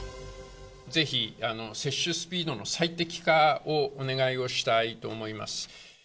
ぜひ接種スピードの最適化をお願いをしたいと思います。